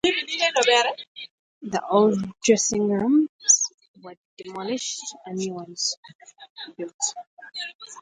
The old dressing rooms were demolished and new ones built.